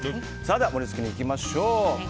盛り付けにいきましょう。